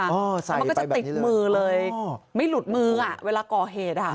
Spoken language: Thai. มันก็จะติดมือเลยไม่หลุดมือเวลาก่อเหตุ